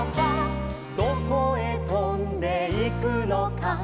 「どこへとんでいくのか」